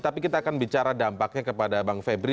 tapi kita akan bicara dampaknya kepada bang febri